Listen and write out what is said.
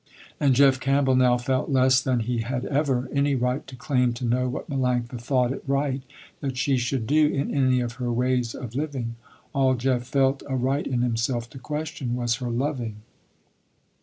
And Jeff Campbell now felt less than he had ever, any right to claim to know what Melanctha thought it right that she should do in any of her ways of living. All Jeff felt a right in himself to question, was her loving.